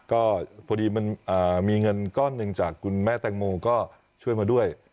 ก็พอดีมันมีเงินก้อนหนึ่งจากคุณแม่แตงโมก็ช่วยมาด้วย